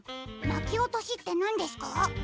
「なきおとし」ってなんですか？